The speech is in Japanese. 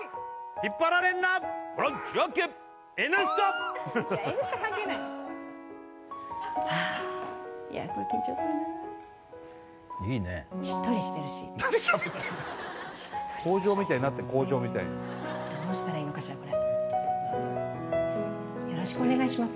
引っ張られんなホラン開け「Ｎスタ」「Ｎスタ」関係ないあいやでも緊張するないいねしっとりしてるし口上みたいになってる口上みたいにどうしたらいいのかしらよろしくお願いします